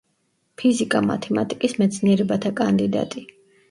ფიზიკა-მათემატიკის მეცნიერებათა კანდიდატი.